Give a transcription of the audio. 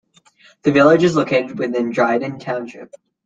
The village is located within Dryden Township.